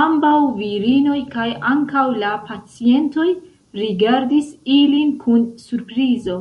Ambau virinoj kaj ankau la pacientoj rigardis ilin kun surprizo.